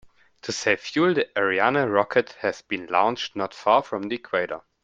To save fuel, the Ariane rocket has been launched not far from the equator.